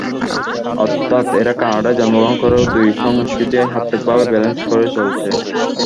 অর্থাৎ এরা কানাডায় জন্মগ্রহণ করেও দুই সংস্কৃতিই সার্থক ভাবে ব্যালেন্স করে চলছে।